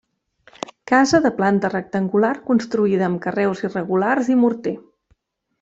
Casa de planta rectangular construïda amb carreus irregulars i morter.